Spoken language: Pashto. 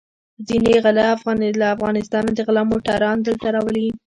ځينې غله له افغانستانه د غلا موټران دلته راولي.